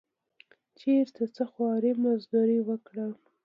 چېرته څه خواري مزدوري وکړه.